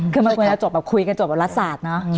คือคือคุยกันจบแบบรัศสาตร์นะ